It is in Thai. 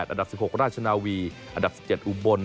อันดับ๑๖ราชนาวีอันดับ๑๗อุบล